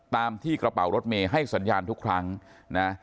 ตามที่กระเป๋ารถเมย์ให้สัญญาณทุกครั้งนะ